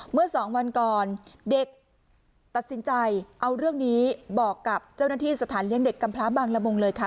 เมื่อสองวันก่อนเด็กตัดสินใจเอาเรื่องนี้บอกกับเจ้าหน้าที่สถานเลี้ยงเด็กกำพลาบางละมุงเลยค่ะ